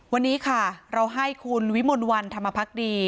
วันนี้ค่ะเราให้คุณวิมลวันธรรมพักดี